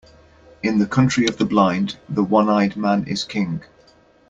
In the country of the blind, the one-eyed man is king.